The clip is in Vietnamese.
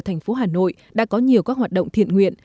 thành phố hà nội đã có nhiều các hoạt động thiện nguyện